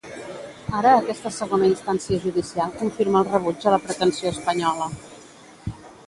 Ara aquesta segona instància judicial confirma el rebuig a la pretensió espanyola.